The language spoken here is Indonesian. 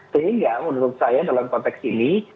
sehingga menurut saya dalam konteks ini